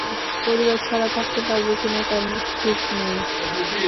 পরিবার ছাড়া থাকতে পারব কি না তা নিশ্চিত নই।